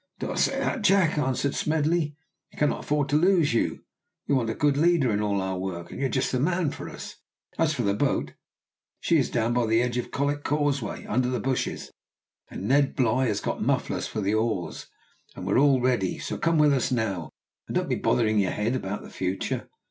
"Don't say that, Jack," answered Smedley: "we cannot afford to lose you. We want a good leader in all our work, and you are just the man for us. As for the boat, she is down by the edge of Colwick Causeway, under the bushes; and Ned Bligh has got mufflers for the oars, and all ready; so come with us now, and don't be bothering your head about the future."